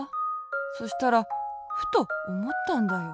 そしたらふとおもったんだよ。